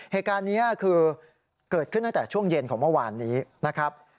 เหตุการณ์นี้คือเกิดขึ้นตั้งแต่ช่วงเย็นของเมื่อวานนี้นะครับ